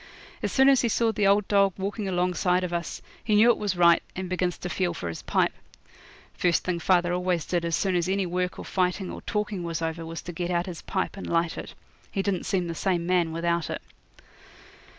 As soon as he saw the old dog walking alongside of us he knew it was right, and begins to feel for his pipe. First thing father always did as soon as any work or fighting or talking was over was to get out his pipe and light it. He didn't seem the same man without it.